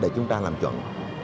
để chúng ta làm chuẩn